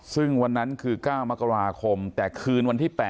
ซึ่งวันนั้นคือ๙มกราคมแต่คืนวันที่๘